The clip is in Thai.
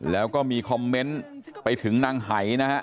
แล้วก็มีคอมเมนต์ไปถึงนางหายนะฮะ